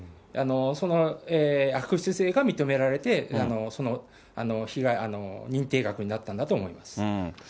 その悪質性が認められて、その認定額になったんだと思います。